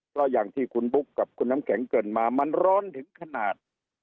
เพราะอย่างที่คุณบุ๊คกับคุณน้ำแข็งเกินมามันร้อนถึงขนาด